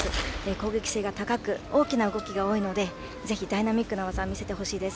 攻撃性が高く大きな動きが多いのでぜひ、ダイナミックな技を見せてほしいです。